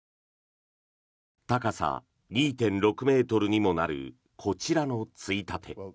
高さ２．６ｍにもなるこちらのついたて。